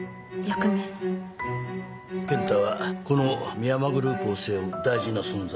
健太はこの深山グループを背負う大事な存在だ。